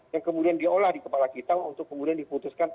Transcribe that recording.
yang kemudian diolah di kepala kita untuk kemudian diputuskan